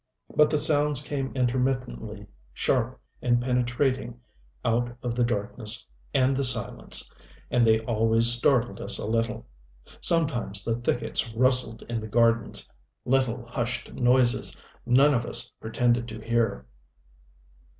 But the sounds came intermittently, sharp and penetrating out of the darkness and the silence, and they always startled us a little. Sometimes the thickets rustled in the gardens little, hushed noises none of us pretended to hear.